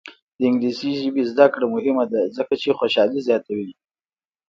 د انګلیسي ژبې زده کړه مهمه ده ځکه چې خوشحالي زیاتوي.